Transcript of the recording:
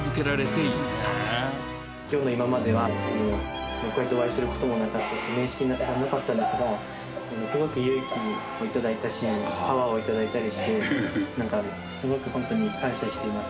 今日の今まではこうやってお会いする事もなかったし面識なかったんですがすごく勇気を頂いたしパワーを頂いたりしてすごくホントに感謝しています。